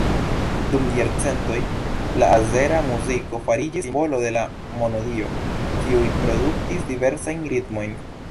Dum jarcentoj, la azera muziko fariĝis simbolo de la monodio, kiuj produktis diversajn ritmojn.